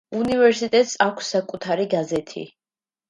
უნივერსიტეტს აქვს საკუთარი გაზეთი.